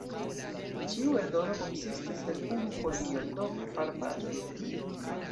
Ĉiu eldono konsistis el unu folio, do kvar paĝoj.